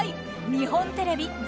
日本テレビ「ザ！